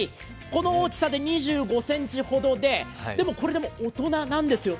この大きさで２５ｃｍほどで、これでも大人なんですよ。